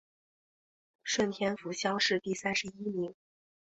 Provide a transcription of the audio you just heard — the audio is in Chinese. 顺天府乡试第三十一名。